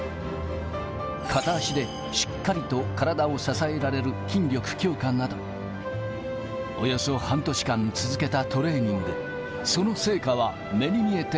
片足でしっかりと体を支えられる筋力強化など、およそ半年間続けたトレーニング。